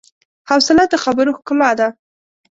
حوصله د خبرو ښکلا ده.